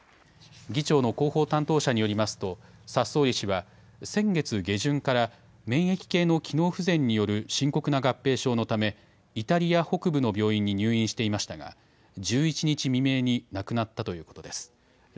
議長の広報担当者によりますと、サッソーリ氏は先月下旬から、免疫系の機能不全による深刻な合併症のため、イタリア北部の病院に入院していましたが、１１日未明に亡くなったということです。